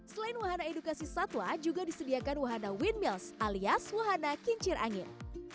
selain wahana edukasi satwa juga disediakan wahana wind mills alias wahana kincir angin